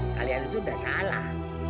kalian itu udah salah